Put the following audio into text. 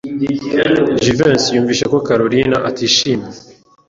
Jivency yumvise ko Kalorina atishimye.